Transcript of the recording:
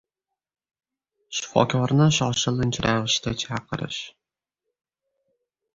Shifokorni shoshilinch ravishda chaqirish...